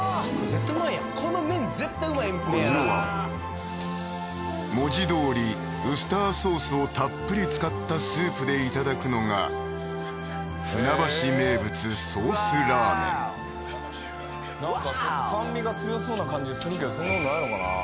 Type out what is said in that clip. この麺絶対うまい麺やな文字どおりウスターソースをたっぷり使ったスープでいただくのが船橋名物ソースラーメンなんかちょっと酸味が強そうな感じするけどそんなことないのかな？